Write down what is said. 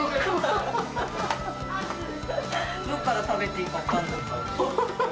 どこから食べていいかわからない。